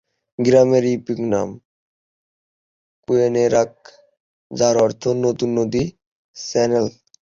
গ্রামের ইউপিক নাম "কুইনেররাক", যার অর্থ "নতুন নদী চ্যানেল"।